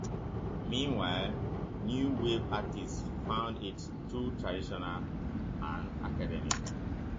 Meanwhile, "New Wave" artists found it too "traditional and academic".